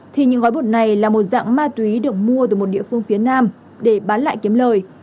thì những gói bột này là một dạng ma túy được mua từ một địa phương phía nam để bán lại kiếm lời